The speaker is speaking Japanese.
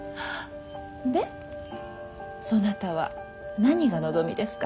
でそなたは何が望みですか？